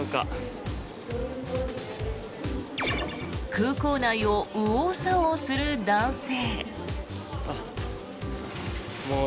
空港内を右往左往する男性。